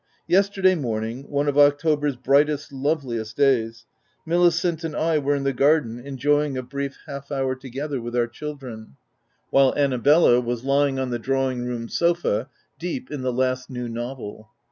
Yesterday morning, one of October's brightest loveliest days, Milicent and I were in the garden enjoy m 2 244 THE TENANT ing a brief half hour together with our children, while Annabella was lying on the drawing room sofa, deep in the last new novel.